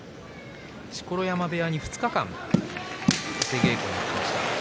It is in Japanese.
錣山部屋に２日間出稽古に行きました。